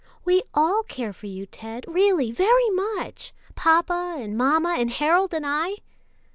"We all care for you, Ted, really, very much papa and mamma and Harold and I."